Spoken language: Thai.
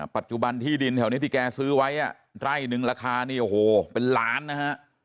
ปัจจุบันที่ดินแถวนี้ที่แกซื้อไว้ไร่นึงราคานี่โอ้โหเป็นล้านนะฮะ